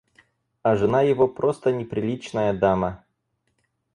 А жена его просто неприличная дама.